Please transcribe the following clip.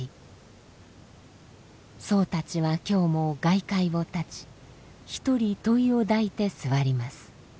僧たちは今日も外界を絶ち一人問いを抱いて坐ります。